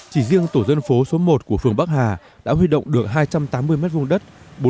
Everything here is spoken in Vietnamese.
chỉ riêng tổ dân phố số một của phường bắc hà đã huy động được hai trăm tám mươi m hai đất